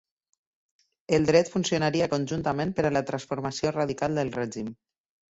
El dret funcionaria conjuntament per a la transformació radical del règim.